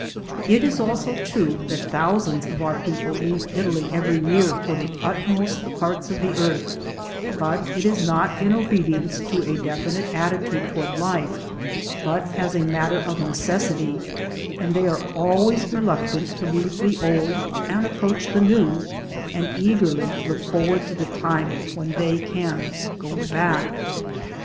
It is also true that thou sands of our people leave Italy every year for the utmost parts of the earth, but it is not in obedience to a definite attitude toward life, but as a matter of AMERICAN PHILOSOPHY OF LIFE 279 necessity, and they are always reluctant to leave the old and approach the new, and eagerly look forward to the time when they can go back.